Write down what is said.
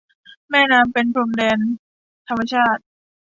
แม่น้ำเป็นพรมแดนธรรมชาติ